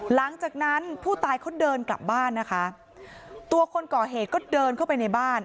หลังจากนั้นผู้ตายเขาเดินกลับบ้านนะคะตัวคนก่อเหตุก็เดินเข้าไปในบ้าน